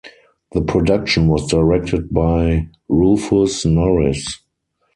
The production was directed by Rufus Norris.